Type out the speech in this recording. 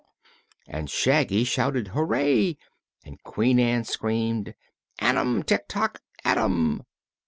and Shaggy shouted "Hooray!" and Queen Ann screamed: "At 'em, Tik Tok at 'em!"